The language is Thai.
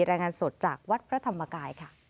รายงานสดจากวัดพระธรรมกายค่ะ